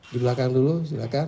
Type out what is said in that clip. di belakang dulu silakan